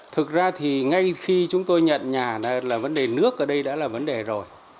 thực ra thì ngay khi chúng tôi nhận nhà là vấn đề nước ở đây đã là vấn đề rồi